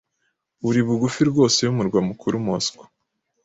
iri bugufi rwose y'umurwa mukuru Moscou,